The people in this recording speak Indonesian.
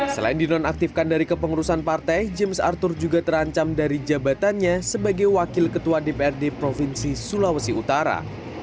selain dinonaktifkan dari kepengurusan partai james arthur juga terancam dari jabatannya sebagai wakil ketua dprd provinsi sulawesi utara